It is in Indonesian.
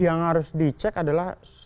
yang harus dicek adalah